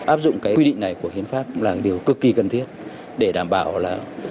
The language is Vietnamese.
áp dụng cái quy định này của hiến pháp là điều cực kỳ cần thiết để đảm bảo là